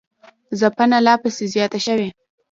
ځپنه لاپسې زیاته شوې